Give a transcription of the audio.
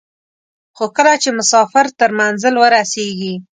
خو کله چې مسافر تر منزل ورسېږي.